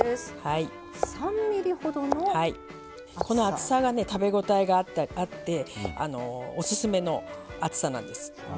この厚さが食べ応えがあっておすすめの厚さなんです。